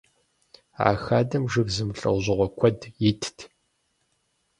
А хадэм жыг зэмылӏэужьыгъуэ куэд итт.